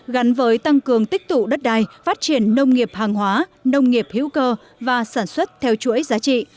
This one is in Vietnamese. gắn với tăng cường tích tụ đất đai phát triển nông nghiệp hàng hóa nông nghiệp hữu cơ và sản xuất theo chuỗi giá trị